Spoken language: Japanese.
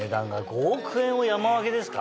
５億円を山分けですか。